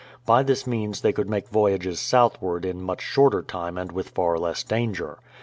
By this means they could make voyages southward in much shorter time and with far less danger.